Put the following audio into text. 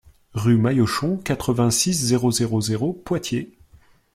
Rue Maillochon, quatre-vingt-six, zéro zéro zéro Poitiers